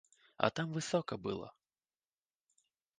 А там высока было.